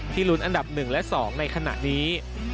ลุ้นอันดับ๑และ๒ในขณะนี้